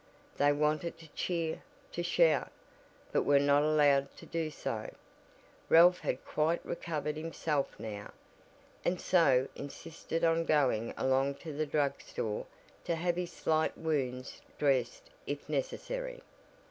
They wanted to cheer to shout, but were not allowed to do so. Ralph had quite recovered himself now, and so insisted on going alone to the drugstore to have his slight wounds dressed if necessary.